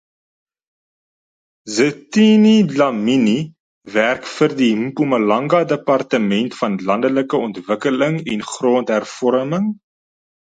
Zithini Dlamini werk vir die Mpumalanga Departement van Landelike Ontwikkeling en Grondhervorming.